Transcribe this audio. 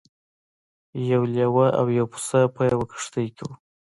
یو لیوه او یو پسه په یوه کښتۍ کې وو.